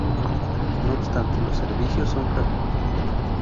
No obstante, los servicios son garantizados por la prefectura del departamento.